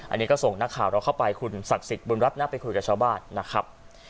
อันนี้ก็ส่งนักข่าวเราเข้าไปคุณศักดิ์สิทธิบุญรัฐนะไปคุยกับชาวบ้านนะครับ